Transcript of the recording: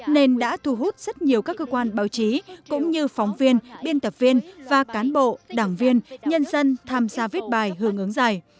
nên đã thu hút rất nhiều các cơ quan báo chí cũng như phóng viên biên tập viên và cán bộ đảng viên nhân dân tham gia viết bài hưởng ứng giải